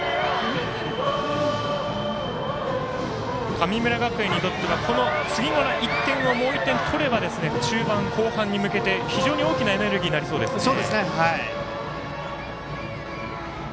神村学園にとっては次の１点を取れば中盤、後半に向けて非常に大きなエネルギーになりそうですね。